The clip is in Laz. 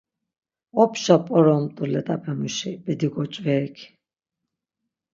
Opşa p̌oromt̆u let̆apemuşi bedi goç̌verik.